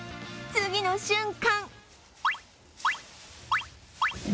次の瞬間